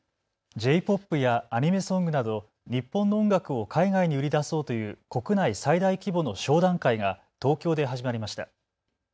Ｊ−ＰＯＰやアニメソングなど日本の音楽を海外に売り出そうという国内最大規模の商談会が東京で始まりました。